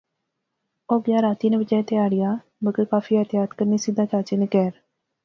او گیا، راتی نے بجائے تہاڑیا، مگر کافی احتیاط کنے, سیدھا چاچے نے کہھر